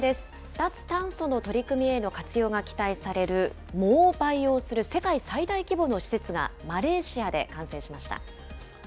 脱炭素の取り組みへの活用が期待される、藻を培養する世界最大規模の施設がマレーシアで完成しました。